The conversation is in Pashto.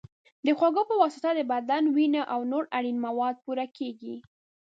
د خوړو په واسطه د بدن وینه او نور اړین مواد پوره کړئ.